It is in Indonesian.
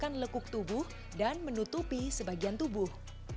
memakan lekuk tubuh dan menutupi sebagian tubuh